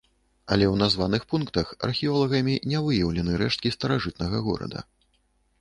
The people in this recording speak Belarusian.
Але ў названых пунктах археолагамі не выяўлены рэшткі старажытнага горада.